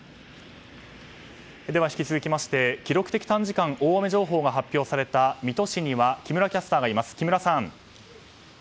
では引き続きまして記録的短時間大雨情報が発表された水戸市に木村キャスターがいます。